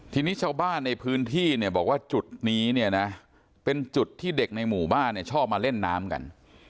ทีนี้ชาวบ้านในพื้นที่เนี่ยบอกว่าจุดนี้เนี่ยนะเป็นจุดที่เด็กในหมู่บ้านเนี่ยชอบมาเล่นน้ำกัน